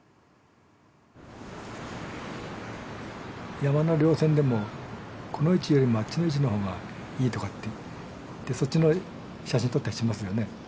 山の稜線でもこの位置よりもあっちの位置の方がいいとかってそっちの写真撮ったりしますよね。